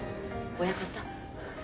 親方。